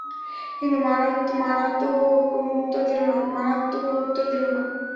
কিন্তু মানাত কোন উত্তর দিল না।